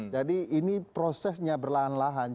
jadi ini prosesnya berlahan lahan